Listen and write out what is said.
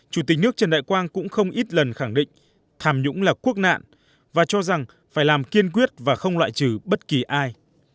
chủ tịch nước trần đại quang cũng không ít lần khẳng định tham nhũng là quốc nạn và cho rằng phải làm kiên quyết và không loại trừ bất kỳ ai